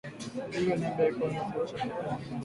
Olive lembe eko nasaidia batu iyi masiku